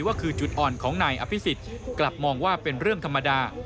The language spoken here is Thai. ว่าคือจุดอ่อนของนายอภิษฎกลับมองว่าเป็นเรื่องธรรมดา